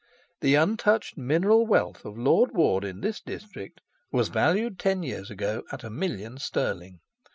The untouched mineral wealth of Lord Ward in this district was valued, ten years ago, at a million sterling.